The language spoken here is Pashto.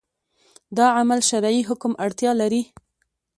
دا عمل شرعي حکم اړتیا لري